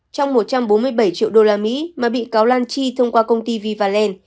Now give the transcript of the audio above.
trong một trăm bốn mươi bảy triệu usd mà bị cáo lan chi thông qua công ty vivalen